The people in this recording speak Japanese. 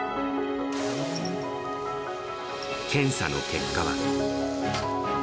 検査の結果は。